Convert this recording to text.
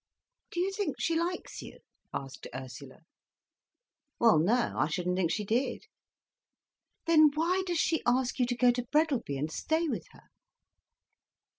"Do you think she likes you?" asked Ursula. "Well, no, I shouldn't think she did." "Then why does she ask you to go to Breadalby and stay with her?"